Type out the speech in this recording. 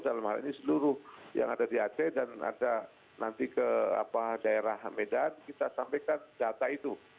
dalam hal ini seluruh yang ada di aceh dan ada nanti ke daerah medan kita sampaikan data itu